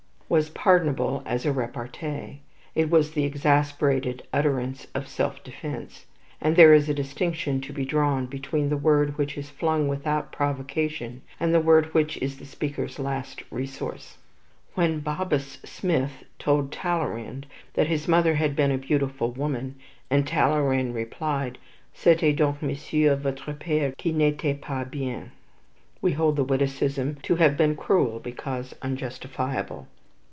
was pardonable as a repartee. It was the exasperated utterance of self defence; and there is a distinction to be drawn between the word which is flung without provocation, and the word which is the speaker's last resource. When "Bobus" Smith told Talleyrand that his mother had been a beautiful woman, and Talleyrand replied, "C'etait donc Monsieur votre pere qui n'etait pas bien," we hold the witticism to have been cruel because unjustifiable.